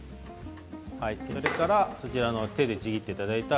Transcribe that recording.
それから手でちぎっていただいた。